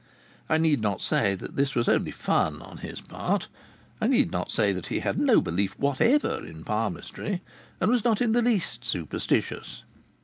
I need not say that this was only fun on his part. I need not say that he had no belief whatever in palmistry, and was not in the least superstitious.